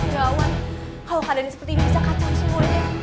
gila wan kalau keadaan ini seperti ini bisa kacau semuanya